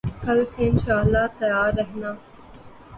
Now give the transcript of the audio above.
کل سے ان شاءاللہ تیار رہنا